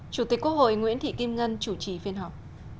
chủ tịch quốc hội nguyễn thị kim ngân chủ trì phiên họp